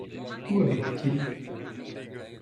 Où habite-t-il ?